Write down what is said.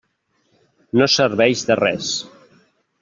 No serveix de res.